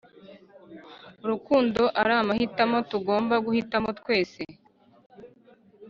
urukundo ari amahitamo tugomba guhitamo twese